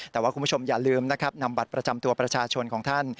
แต่ว่าคุณผู้ชมอย่าลืมนะครับนำบัตรประจำตัวประชาชนของท่าน